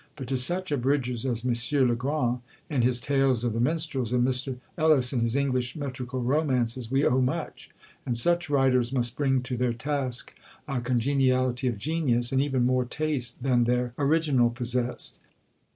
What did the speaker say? But to such Abridgers as Monsieur Le Grand, in his "Tales of the Minstrels," and Mr. Ellis, in his "English Metrical Romances," we owe much; and such writers must bring to their task a congeniality of genius, and even more taste than their original possessed.